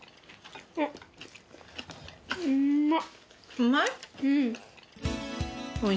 うまい？